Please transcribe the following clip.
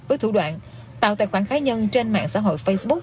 với thủ đoạn tạo tài khoản cá nhân trên mạng xã hội facebook